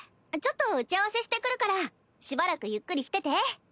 ちょっと打ち合わせしてくるからしばらくゆっくりしてて。